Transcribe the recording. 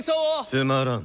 つまらん。